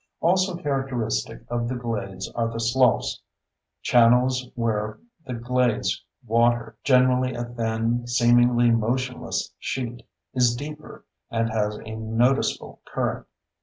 Also characteristic of the glades are the sloughs—channels where the glades water, generally a thin, seemingly motionless sheet, is deeper and has a noticeable current.